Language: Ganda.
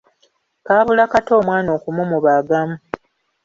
Kaabula kata omwana okumumubaagamu!